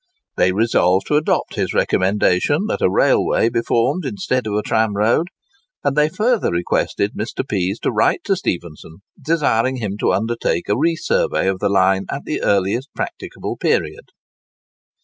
They resolved to adopt his recommendation that a railway be formed instead of a tramroad; and they further requested Mr. Pease to write to Stephenson, desiring him to undertake a re survey of the line at the earliest practicable period.